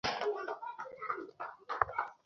বাইরে যাওয়া লাগবে কেন?